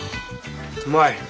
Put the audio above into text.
うまい。